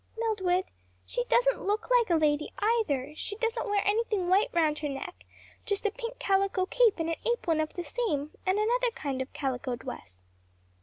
"Mildred, she doesn't look like a lady either; she doesn't wear anything white round her neck; just a pink calico cape and an apron of the same, and another kind of calico dress."